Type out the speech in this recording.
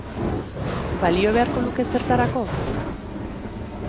Balio beharko luke ezertarako?